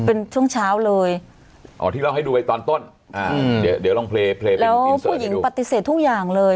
เป็นช่วงเช้าเลยอ๋อที่เราให้ดูไปตอนต้นอ่าเดี๋ยวเดี๋ยวลองเพลย์เพลงแล้วผู้หญิงปฏิเสธทุกอย่างเลย